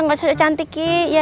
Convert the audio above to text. gak usah cantik